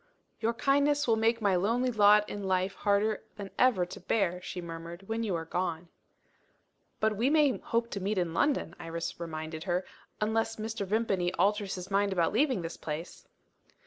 "Your kindness will make my lonely lot in life harder than ever to bear," she murmured, "when you are gone." "But we may hope to meet in London," Iris reminded her; "unless Mr. Vimpany alters his mind about leaving this place."